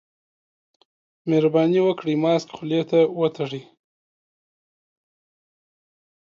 مهرباني وکړئ، ماسک خولې ته وتړئ.